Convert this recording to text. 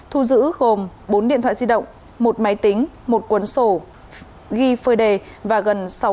thu giữ gồm bốn điện thoại di động một máy tính một cuốn sổ ghi phơi đề và gần sáu mươi chín triệu đồng tiền mặt